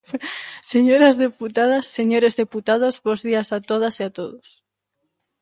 Señoras deputadas, señores deputados, bos días a todas e a todos.